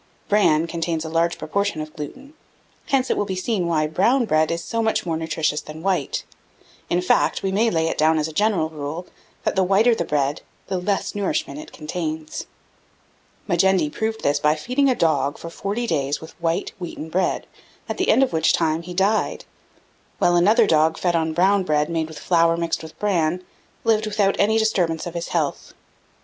Bran contains a large proportion of gluten; hence it will be seen why brown broad is so much more nutritious than white; in fact, we may lay it down as a general rule, that the whiter the bread the less nourishment it contains. Majendie proved this by feeding a dog for forty days with white wheaten bread, at the end of which time he died; while another dog, fed on brown bread made with flour mixed with bran, lived without any disturbance of his health.